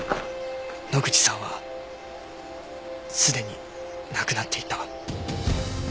野口さんはすでに亡くなっていた。